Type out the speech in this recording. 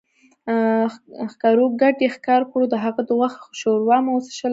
ښکرور ګډ ئې ښکار کړو، د هغه د غوښې ښوروا مو وڅښله